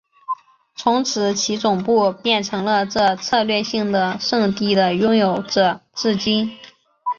从此其总部变成了这策略性的圣地的拥有者至今。